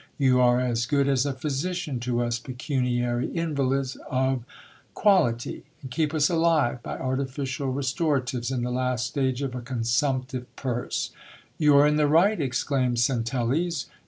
You are as good as a physician to us pecuniary invalids of quality, and keep us alive by artificial restoratives in the last stage of a con sumptive purse. You are in the right,' exclaimed Centelles.